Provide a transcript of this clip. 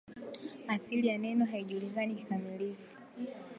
Asili ya neno haijulikani kikamilifu.